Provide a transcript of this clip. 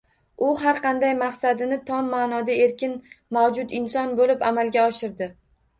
U har qanday maqsadini tom ma’noda erkin, mavjud inson bo‘lib amalga oshirdi